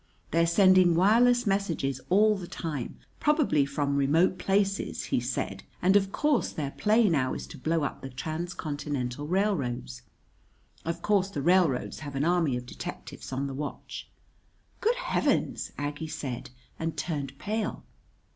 "They're sending wireless messages all the time, probably from remote places," he said. "And, of course, their play now is to blow up the transcontinental railroads. Of course the railroads have an army of detectives on the watch." "Good Heavens!" Aggie said, and turned pale.